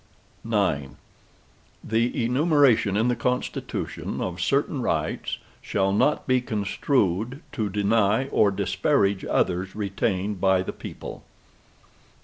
IX The enumeration in the Constitution, of certain rights, shall not be construed to deny or disparage others retained by the people.